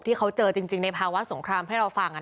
ที่เขาเจอจริงในภาวะสงครามให้เราฟัง